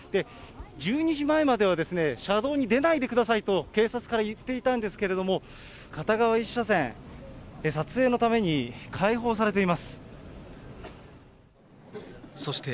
１２時前までは車道に出ないでくださいと、警察から言っていたんですけれども、片側１車線、撮影のために開放されています。